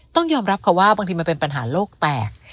ต้องยอมรับค่ะว่าบางทีมันเป็นปัญหาโลกแตก